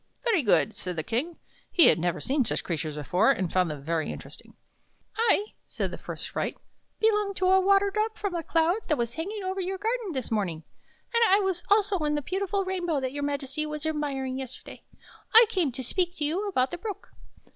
" Very good," said the King. He had never seen such creatures before, and found them very interesting. " I," said the first sprite, " belong to a water drop from a cloud that was hanging over your garden this morning, and I was also in the beautiful rainbow that your Majesty was admiring yesterday. I came to speak to you about the Brook."